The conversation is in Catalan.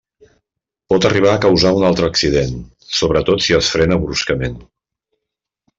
Pot arribar a causar un altre accident, sobretot si es frena bruscament.